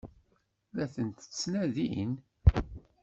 La tent-ttnadin?